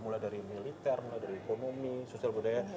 mulai dari militer mulai dari ekonomi sosial budaya